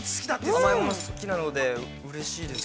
◆甘いもの好きなので、うれしいです。